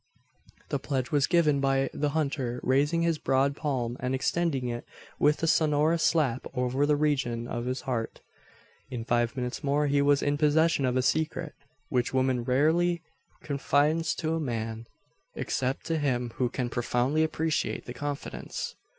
The pledge was given by the hunter raising his broad palm, and extending it with a sonorous slap over the region of his heart. In five minutes more he was in possession of a secret which woman rarely confides to man except to him who can profoundly appreciate the confidence.